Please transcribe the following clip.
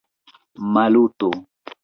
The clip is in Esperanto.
Maluto!